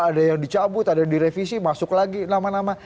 ada yang dicabut ada yang direvisi masuk lagi nama nama